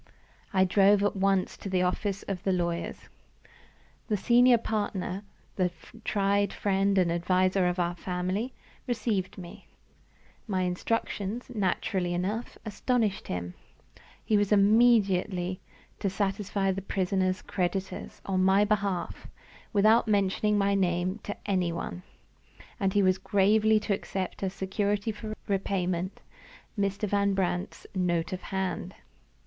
I drove at once to the office of my lawyers. The senior partner the tried friend and adviser of our family received me. My instructions, naturally enough, astonished him. He was immediately to satisfy the prisoner's creditors, on my behalf, without mentioning my name to any one. And he was gravely to accept as security for repayment Mr. Van Brandt's note of hand!